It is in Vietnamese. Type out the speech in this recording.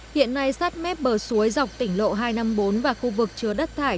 hiện nay sát mép bờ suối dọc tỉnh lộ hai trăm năm mươi bốn và khu vực chứa đất thải